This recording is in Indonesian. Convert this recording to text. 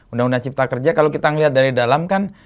undang undang cipta kerja kalau kita melihat dari dalam kan